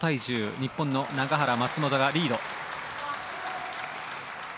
日本の永原、松本がリード。